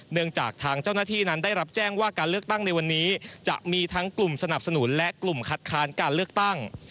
จากทางเจ้าหน้าที่นั้นได้รับแจ้งว่าการเลือกตั้งในวันนี้จะมีทั้งกลุ่มสนับสนุนและกลุ่มคัดค้านการเลือกตั้ง